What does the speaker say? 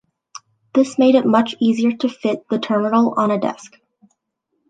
This made it much easier to fit the terminal on a desk.